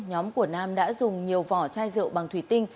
nhóm của nam đã dùng nhiều vỏ chai rượu bằng thủy tinh